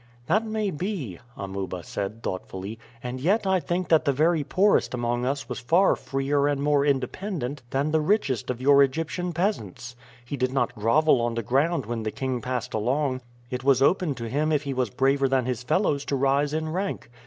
"That may be," Amuba said thoughtfully, "and yet I think that the very poorest among us was far freer and more independent than the richest of your Egyptian peasants. He did not grovel on the ground when the king passed along. It was open to him if he was braver than his fellows to rise in rank.